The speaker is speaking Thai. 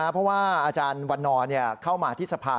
เพราะว่าอาจารย์วันนอร์เข้ามาที่สภา